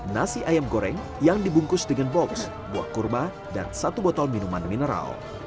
nasi ayam goreng yang dibungkus dengan box buah kurma dan satu botol minuman mineral